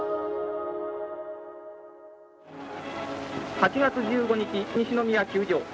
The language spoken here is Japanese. ８月１５日、西宮球場。